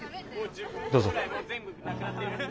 どうぞ。